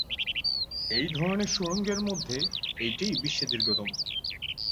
এই ধরনের সুড়ঙ্গের মধ্যে এটিই বিশ্বে দীর্ঘতম।